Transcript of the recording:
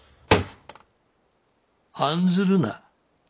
案ずるな。